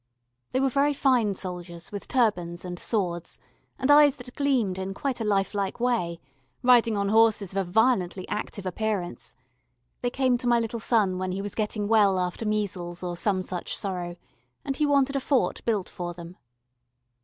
They were very fine soldiers with turbans and swords and eyes that gleamed in quite a lifelike way, riding on horses of a violently active appearance: they came to my little son when he was getting well after measles or some such sorrow, and he wanted a fort built for them.